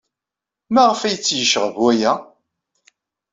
Maɣef ay tt-yecɣeb waya?